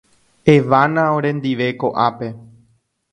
Evána orendive ko'ápe.